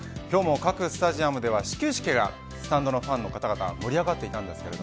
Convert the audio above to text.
今日も各スタジアムでは始球式がスタンドのファンの方々盛り上がっていました。